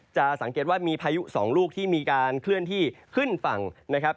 จะสังเกตว่ามีพายุ๒ลูกที่มีการเคลื่อนที่ขึ้นฝั่งนะครับ